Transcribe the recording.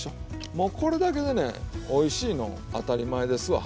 もうこれだけでねおいしいの当たり前ですわ。